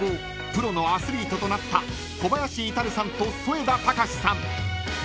プロのアスリートとなった小林至さんと添田隆司さん］